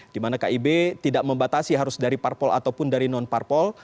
di mana kib tidak membatasi harus dari parpol ataupun dari non parpol